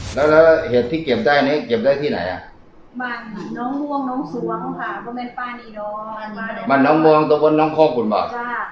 เก็บได้ที่ไหนบ้านน้องม่วงน้องสวงค่ะบ้านน้องม่วงตรงบนน้องข้อคุณเหรอ